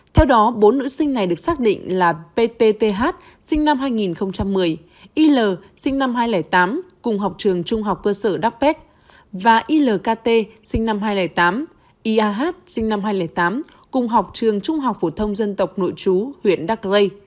theo đó bốn nữ sinh này được xác định là ptth sinh năm hai nghìn một mươi il sinh năm hai nghìn tám cùng học trường trung học cơ sở đắk và ilkt sinh năm hai nghìn tám iah sinh năm hai nghìn tám cùng học trường trung học phổ thông dân tộc nội chú huyện đắc rây